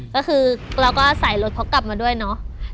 ก็คือเราก็ใส่รถเขากลับมาด้วยเนาะ